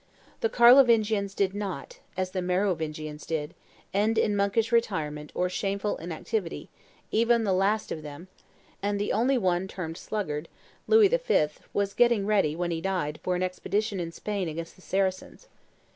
The Carlovingians did not, as the Merovingians did, end in monkish retirement or shameful inactivity even the last of them, and the only one termed sluggard, Louis V., was getting ready, when he died, for an expedition in Spain against the Saracens.